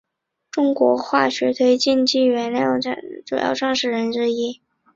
中国化学推进剂原材料产业的主要创始人之一。